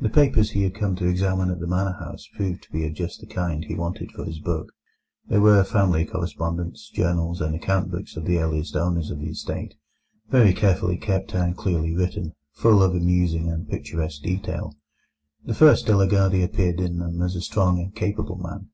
The papers he had come to examine at the manor house proved to be of just the kind he wanted for his book. There were family correspondence, journals, and account books of the earliest owners of the estate, very carefully kept and clearly written, full of amusing and picturesque detail. The first De la Gardie appeared in them as a strong and capable man.